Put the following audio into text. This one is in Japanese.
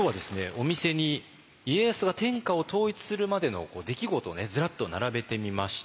お店に家康が天下を統一するまでの出来事をねずらっと並べてみました。